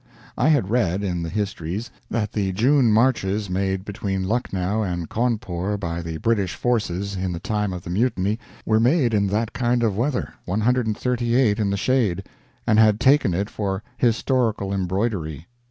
I had read, in the histories, that the June marches made between Lucknow and Cawnpore by the British forces in the time of the Mutiny were made in that kind of weather 138 in the shade and had taken it for historical embroidery.